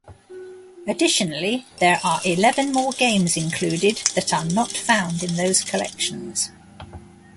Additionally, there are eleven more games included that are not found in those collections.